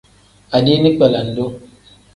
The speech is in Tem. Adiini kpelendu.